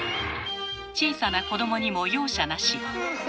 小さな子どもにも容赦なし。